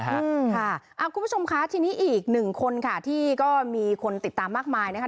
คุณผู้ชมคะทีนี้อีกหนึ่งคนค่ะที่ก็มีคนติดตามมากมายนะคะ